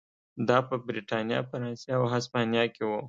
دا په برېټانیا، فرانسې او هسپانیا کې و.